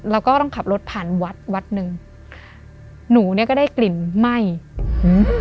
เราก็ต้องขับรถผ่านวัดวัดหนึ่งหนูเนี้ยก็ได้กลิ่นไหม้อืม